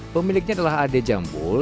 pemiliknya adalah ade jambul